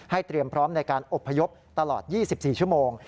เตรียมพร้อมในการอบพยพตลอด๒๔ชั่วโมง